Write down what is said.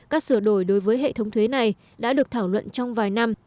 các sửa đổi đối với hệ thống thuế này đã được thảo luận trong vài năm